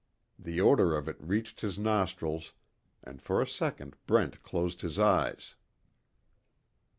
The odor of it reached his nostrils, and for a second Brent closed his eyes.